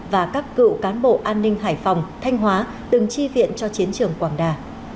và các cựu cán bộ an ninh hải phòng thanh hóa từng chi viện cho chiến trường quảng đà